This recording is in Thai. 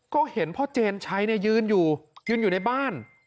ก็เห็นพ่อเจนชัยยืนอยู่ยืนอยู่ในบ้าน